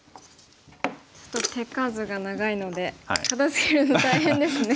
ちょっと手数が長いので片づけるのが大変ですね。